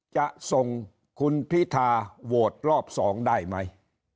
จะส่งคุณพิธาโหวตรอบ๒ได้ไหม